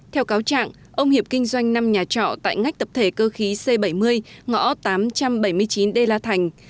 theo cáo trạng ông hiệp kinh doanh năm nhà trọ tại ngách tập thể cơ khí c bảy mươi ngõ tám trăm bảy mươi chín đê la thành